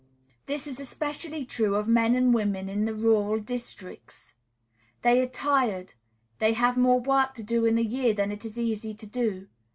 This is especially true of men and women in the rural districts. They are tired; they have more work to do in a year than it is easy to do.